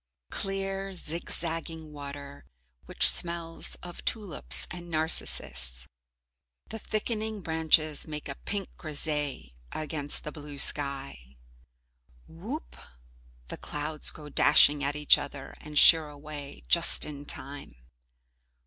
Clear zigzagging water, which smells of tulips and narcissus. The thickening branches make a pink 'grisaille' against the blue sky. Whoop! The clouds go dashing at each other and sheer away just in time.